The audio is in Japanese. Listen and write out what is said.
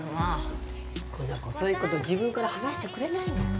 この子そういうこと自分から話してくれないの